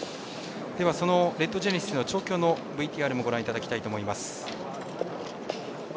そのレッドジェネシスの調教のＶＴＲもご覧いただきたいと思います。